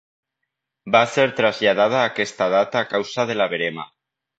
Va ser traslladada a aquesta data a causa de la verema.